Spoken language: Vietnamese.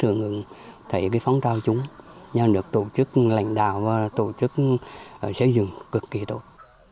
nhưng mà họ rất thường thấy phóng trao chúng nhau được tổ chức lãnh đạo và tổ chức xây dựng cực kỳ tốt